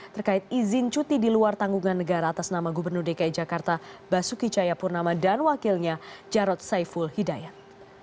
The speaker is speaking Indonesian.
terkait izin cuti di luar tanggungan negara atas nama gubernur dki jakarta basuki cayapurnama dan wakilnya jarod saiful hidayat